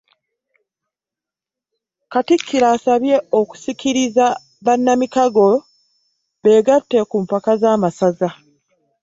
Katikkiro asabye okusikiriza bannamikago beegatte ku mpaka z'amasaza.